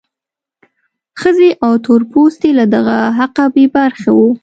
ښځې او تور پوستي له دغه حقه بې برخې وو.